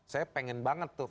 saya pengen banget tuh